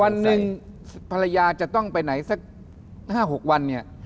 วันหนึ่งภรรยาจะต้องไปไหนสัก๕๖วันเนี่ย